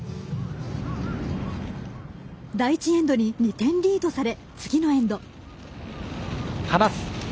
第１エンドに２点リードされ次のエンド。